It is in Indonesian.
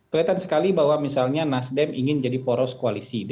kelihatan sekali bahwa misalnya nasdem ingin jadi poros koalisi